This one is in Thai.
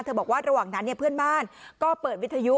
บอกว่าระหว่างนั้นเพื่อนบ้านก็เปิดวิทยุ